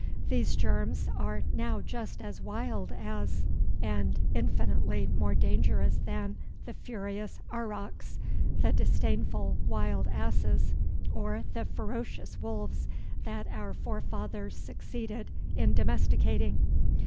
These germs are now just as wild as, and infinitely more dangerous than the furious aurochs, the disdainful wild asses, or the ferocious wolves that our forefathers succeeded in domesticating.